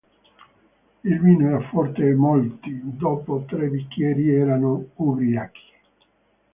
Il vino era forte e molti, dopo tre bicchieri, erano ubriachi.